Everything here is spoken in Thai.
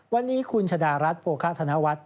วันนี้คุณชะดารัฐโภคาธนวัฒน์